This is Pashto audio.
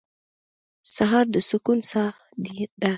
سهار د سکون ساه ده.